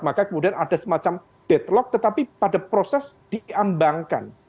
maka kemudian ada semacam deadlock tetapi pada proses diambangkan